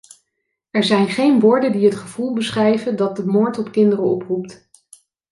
Er zijn geen woorden die het gevoel beschrijven dat de moord op kinderen oproept.